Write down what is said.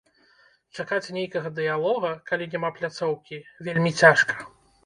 Чакаць нейкага дыялога, калі няма пляцоўкі, вельмі цяжка.